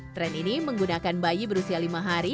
tren ini menggunakan bayi berusia lima hari